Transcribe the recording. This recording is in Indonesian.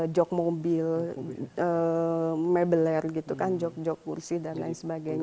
jok mobil mebeler gitu kan jok jok kursi dan lain sebagainya